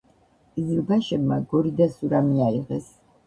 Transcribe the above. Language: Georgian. ყიზილბაშებმა გორი და სურამი აიღეს.